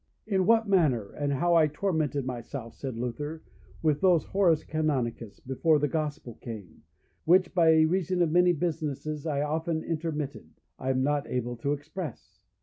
In what manner, and how I tormented myself, said Luther, with those Horis Canonicis before the Gospel came, which, by reason of many businesses I often intermitted, I am not able to express.